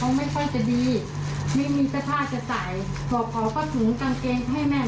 เขาไม่ค่อยจะดีไม่มีสท่าจะใส่บอกเขาก็ถือกางเกงให้แม่